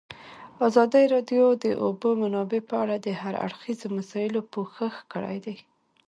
ازادي راډیو د د اوبو منابع په اړه د هر اړخیزو مسایلو پوښښ کړی.